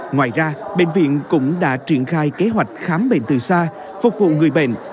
ngoài ra bệnh viện cũng đã triển khai kế hoạch khám bệnh từ xa phục vụ người bệnh